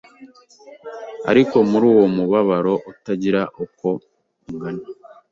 Ariko muri uwo mubabaro utagira uko ungana,